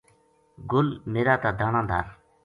گل میرا تا دانا دھر